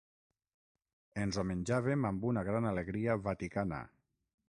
Ens ho menjàvem amb una gran alegria vaticana.